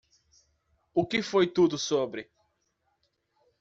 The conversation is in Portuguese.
O que foi tudo sobre?